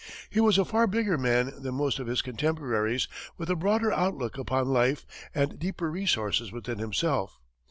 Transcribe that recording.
He was a far bigger man than most of his contemporaries, with a broader outlook upon life and deeper resources within himself.